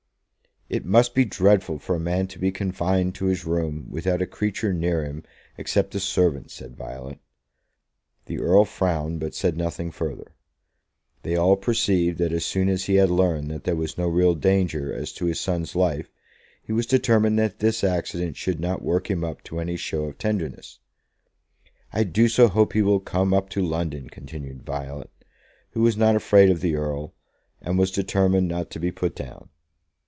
"It must be dreadful for a man to be confined to his room without a creature near him, except the servants," said Violet. The Earl frowned, but said nothing further. They all perceived that as soon as he had learned that there was no real danger as to his son's life, he was determined that this accident should not work him up to any show of tenderness. "I do so hope he will come up to London," continued Violet, who was not afraid of the Earl, and was determined not to be put down.